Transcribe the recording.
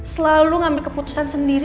selalu ngambil keputusan sendiri